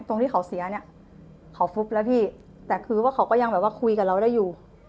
ตรงที่เขาเสียเนี่ยเขาฟุบแล้วพี่แต่คือว่าเขาก็ยังแบบว่าคุยกับเราได้อยู่